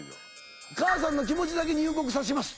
「母さんの気持ちだけ入国させます」。